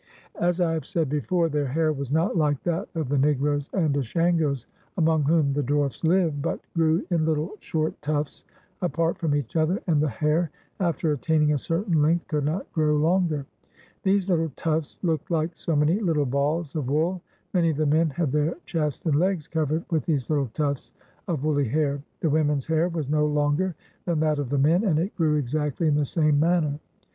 As I have said before, their hair was not like that of the Negroes and Ashangos among whom the dwarfs live, but grew in little short tufts apart from each other, and the hair, after attaining a certain length, could not grow longer. These little tufts looked Uke so many Httle balls of wool. Many of the men had their chest and legs cov ered with these Uttle tufts of woolly hair. The women's hair was no longer than that of the men, and it grew exactly in the same manner.